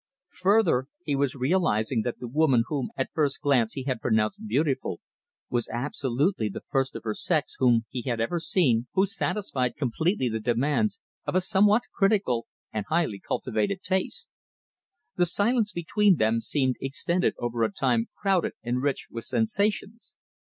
Further, he was realizing that the woman whom at first glance he had pronounced beautiful, was absolutely the first of her sex whom he had ever seen who satisfied completely the demands of a somewhat critical and highly cultivated taste. The silence between them seemed extended over a time crowded and rich with sensations.